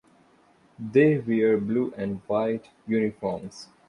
They wear blue and white uniforms.